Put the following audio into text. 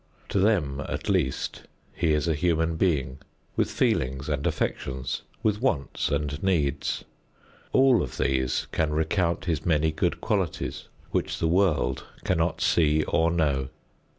To them at least he is a human being with feelings and affections, with wants and needs. All of these can recount his many good qualities which the world cannot see or know.